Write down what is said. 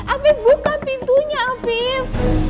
alvif buka pintunya alvif